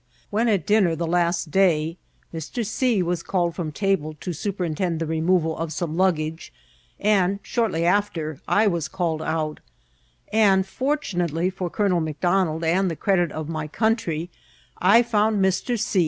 When at dinner the last day, Mr. C. was called from Vol. I.— D 3 S6 1MCIDSNT8 or TRAYSL. table to superintend the removal of some luggage, and shortly after I was called out; and, fortunately for Colonel McDonald and the credit of my country, I found Mr. C.